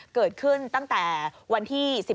เกิดขึ้นตั้งแต่วันที่๑๔